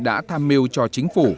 đã tham mưu cho chính phủ